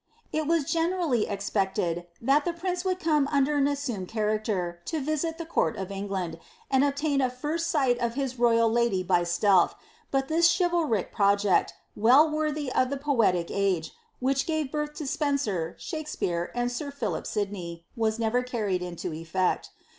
It was generally expected, that the prince would come under an •ssumed character, to visit the court of England, and obtain a iirst sight of his royal lady by stealth,* but this chivalric project, well worthy of ihe poetic age, which gave birth to Spenser, Shakspeare, and sir Philip Sidney, was never carried into effect.